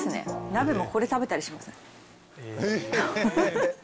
鍋もここで食べたりします。